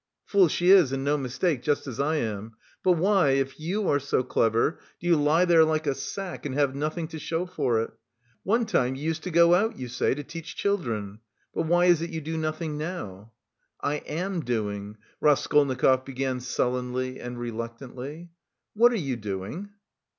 "Fool she is and no mistake, just as I am. But why, if you are so clever, do you lie here like a sack and have nothing to show for it? One time you used to go out, you say, to teach children. But why is it you do nothing now?" "I am doing..." Raskolnikov began sullenly and reluctantly. "What are you doing?"